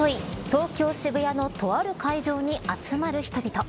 東京渋谷のとある会場に集まる人々。